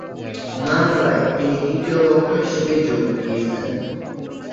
মামলায় তিনি তৃতীয় পক্ষ হিসেবে যোগ দিয়েছেন।